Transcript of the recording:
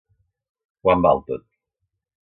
Quant val tot?